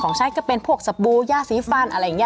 ใช้ก็เป็นพวกสบู่ย่าสีฟันอะไรอย่างนี้